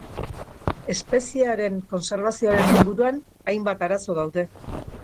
Espeziearen kontserbazioaren inguruan hainbat arazo daude.